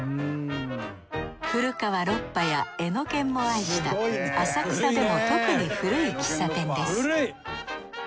古川ロッパやエノケンも愛した浅草でも特に古い喫茶店です